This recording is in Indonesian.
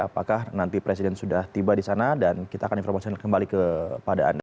apakah nanti presiden sudah tiba di sana dan kita akan informasikan kembali kepada anda